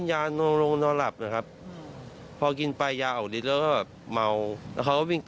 แสนสองเรียกผมแสนสองอย่างนี้